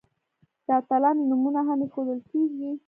د اتلانو نومونه هم ایښودل کیږي.